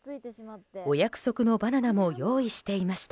お約束のバナナも用意していました。